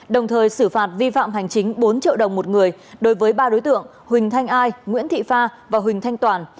đồng thời xử phạt vi phạm hành chính bốn triệu đồng một người đối với ba đối tượng huỳnh thanh ai nguyễn thị pha và huỳnh thanh toàn